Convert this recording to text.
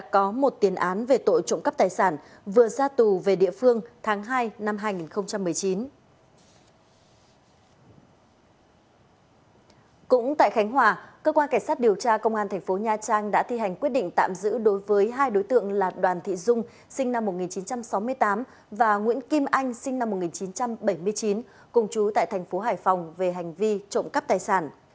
cũng tại khánh hòa cơ quan cảnh sát điều tra công an tp nha trang đã thi hành quyết định tạm giữ đối với hai đối tượng là đoàn thị dung sinh năm một nghìn chín trăm sáu mươi tám và nguyễn kim anh sinh năm một nghìn chín trăm bảy mươi chín cùng chú tại tp hải phòng về hành vi trộm cắp tài sản